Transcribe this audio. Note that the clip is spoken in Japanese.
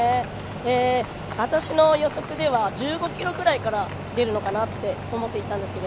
私の予測では１５ｋｍぐらいから出るのかなと思っていたんですけど